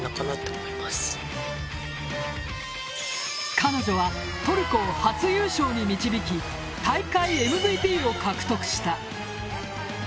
彼女はトルコを初優勝に導き大会ＭＶＰを獲得した。